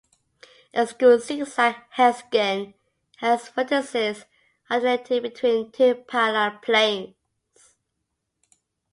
A "skew zig-zag hexagon" has vertices alternating between two parallel planes.